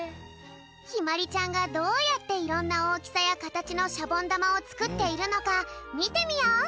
ひまりちゃんがどうやっていろんなおおきさやかたちのシャボンだまをつくっているのかみてみよう。